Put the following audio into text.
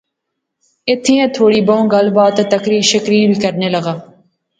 ایتھیں ایہہ تھوڑی بہوں گل بات تہ تقریر شقریر وی کرنے لاغا